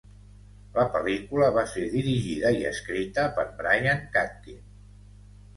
La pel·lícula va ser dirigida i escrita per Brian Katkin.